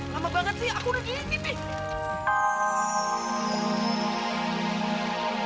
lama banget sih aku udah jelani pi